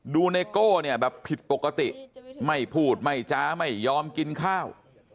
ไนโก้เนี่ยแบบผิดปกติไม่พูดไม่จ้าไม่ยอมกินข้าว